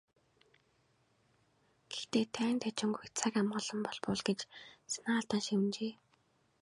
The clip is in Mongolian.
"Гэхдээ дайн дажингүй, цаг амгалан болбол" гэж санаа алдан шивнэжээ.